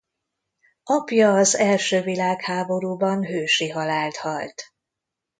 Apja az első világháborúban hősi halált halt.